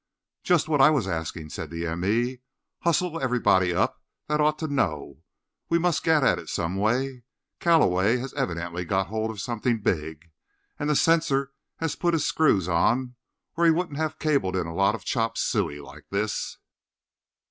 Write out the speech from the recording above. "Just what I was asking," said the m.e. "Hustle everybody up that ought to know. We must get at it some way. Calloway has evidently got hold of something big, and the censor has put the screws on, or he wouldn't have cabled in a lot of chop suey like this."